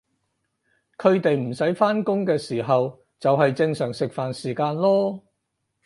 佢哋唔使返工嘅时候就係正常食飯時間囉